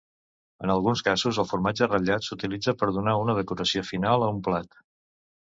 En alguns casos el formatge ratllat s'utilitza per donar una decoració final a un plat.